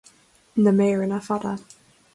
Na méireanna fada